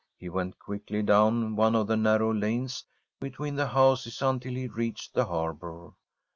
He went quickly down one of the nar row lanes between the houses until he reached the harbour.